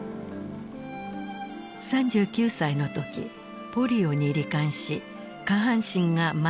３９歳の時ポリオに罹患し下半身がまひ。